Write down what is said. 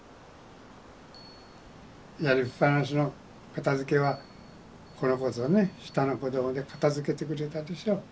やりっぱなしの片づけはこの子とね下の子で片づけてくれたでしょう。